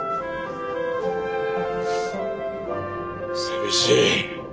寂しい。